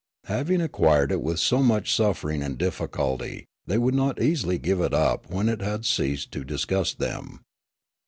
Having ac quired it with so much sufifering and difficult}', they would not easily give it up when it had ceased to dis gust them.